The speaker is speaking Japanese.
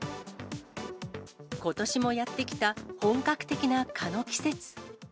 ことしもやって来た、本格的な蚊の季節。